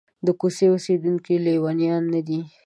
د کوڅې اوسېدونکي لېونیان نه دي.